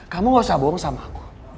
kamu gak usah bohong sama aku